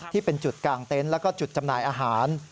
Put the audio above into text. ที่เป็นจุดกลางเต็นต์แล้วก็จุดจำหน่ายอาหาร